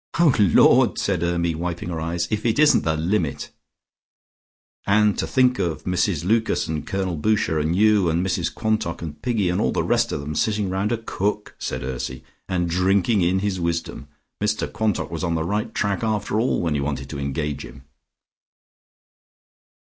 "O Lord!" said Hermy, wiping her eyes. "If it isn't the limit!" "And to think of Mrs Lucas and Colonel Boucher and you and Mrs Quantock, and Piggy and all the rest of them sitting round a cook," said Ursy, "and drinking in his wisdom. Mr Quantock was on the right track after all when he wanted to engage him."